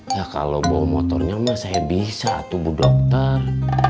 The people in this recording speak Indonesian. ya kalau bawa motornya mah saya bisa tuh bu dokter